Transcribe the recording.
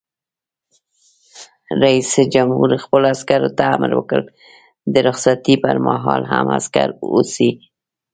رئیس جمهور خپلو عسکرو ته امر وکړ؛ د رخصتۍ پر مهال هم، عسکر اوسئ!